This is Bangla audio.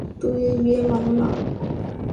তুমি এই বিয়ে মানো না?